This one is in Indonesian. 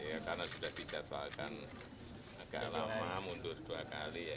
iya karena sudah disetujakan agak lama mundur dua kali ya ini